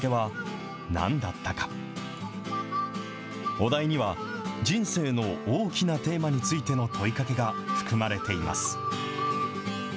お題には、人生の大きなテーマについての問いかけが含まれています。